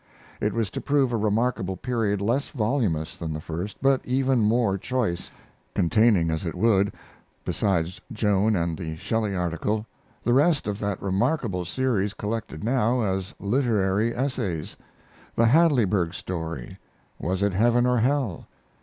It was to prove a remarkable period less voluminous than the first, but even more choice, containing, as it would, besides Joan and the Shelley article, the rest of that remarkable series collected now as Literary Essays; the Hadleyburg story; "Was it Heaven or Hell?"